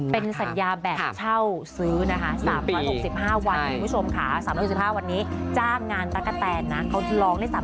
เป็นสัญญาแบบเช่าซื้อนะคะ๓๖๕วันคุณผู้ชมค่ะ๓๖๕วันนี้จ้างงานตั๊กกะแตนนะเขาร้องได้๓๐๐